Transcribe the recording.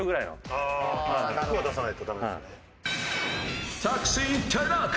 １００を出さないとダメなんですね。